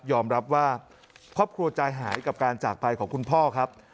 รับว่าครอบครัวใจหายกับการจากไปของคุณพ่อครับ